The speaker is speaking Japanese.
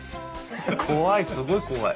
怖いすごい怖い。